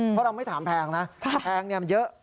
เพราะเราไม่ถามแพงนะแพงมันเยอะ